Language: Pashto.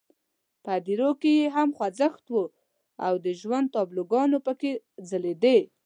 په هدیرو کې یې هم خوځښت وو او د ژوند تابلوګانې پکې ځلېدې.